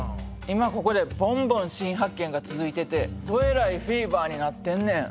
今ここでボンボン新発見が続いててどえらいフィーバーになってんねん。